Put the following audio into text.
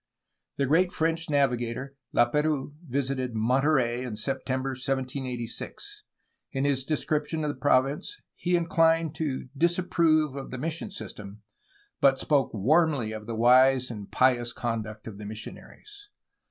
The great French navigator, Lap^rouse, visited Monterey in September 1786. In his description of the province he inclined to disapprove of the mission system, but spoke warmly of the wise and pious con duct of the missionaries.